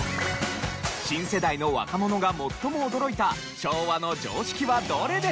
新世代の若者が最も驚いた昭和の常識はどれでしょう？